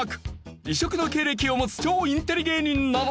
異色の経歴を持つ超インテリ芸人なのだ。